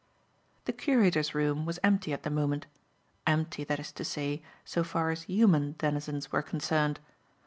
The curator's room was empty at the moment; empty, that is to say, so far as human denizens were concerned.